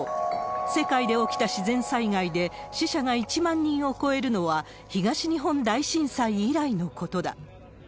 世界で起きた自然災害で、死者が１万人を超えるのは東日本大震災以来のことだ。